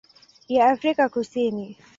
ya Afrika Kusini.